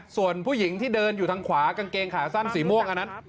ส่วนผู้หญิงที่เดินอยู่ทางขวากางเกงขาสั้นสีม่วงอันนั้น